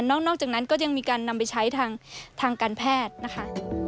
นอกจากนั้นก็ยังมีการนำไปใช้ทางการแพทย์นะคะ